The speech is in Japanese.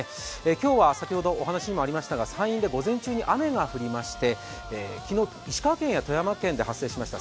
今日は先ほどお話にもありましたが、山陰で午前中に雨が降りまして、昨日、石川県や富山県で発生しました